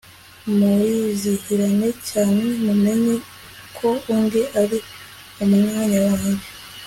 murizihirane cyane mumenye ko undi ari umwanya wanjye